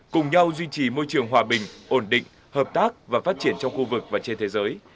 cùng nhau duy trì môi trường hòa bình ổn định hợp tác và phát triển trong khu vực và trên thế giới